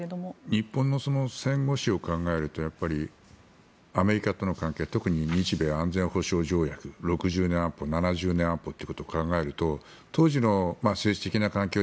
日本の戦後史を考えるとアメリカとの関係特に日米安全保障条約６０年安保、７０年安保ということを考えると当時の政治的な環境